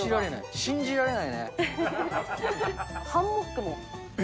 信じられない。